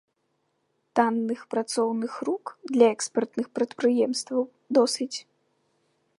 Танных працоўных рук для экспартных прадпрыемстваў досыць.